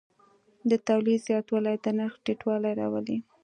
د تولید زیاتوالی د نرخ ټیټوالی راولي.